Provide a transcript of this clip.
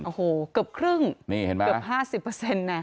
โอ้โหเกือบครึ่งเกือบ๕๐เปอร์เซ็นต์นะ